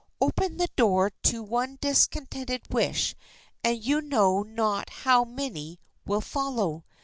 Open the door to one discontented wish and you know not how many will follow.